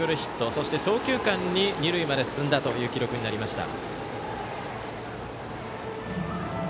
そして、送球間に二塁まで進んだという記録になりました。